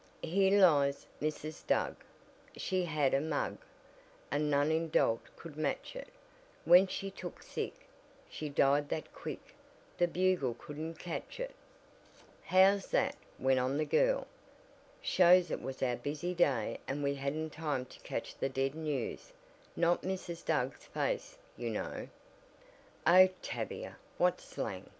"'Here lies Mrs. Doug, She had a mug, And none in Dalt could match it, When she took sick, She died that quick, The Bugle couldn't catch it.' "How's that?" went on the girl. "Shows it was our busy day and we hadn't time to catch the dead news, not Mrs. Doug's face, you know." "Oh, Tavia, what slang!"